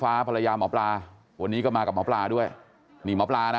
ภรรยาหมอปลาวันนี้ก็มากับหมอปลาด้วยนี่หมอปลานะ